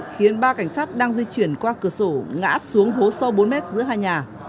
khiến ba cảnh sát đang di chuyển qua cửa sổ ngã xuống hố sâu bốn mét giữa hai nhà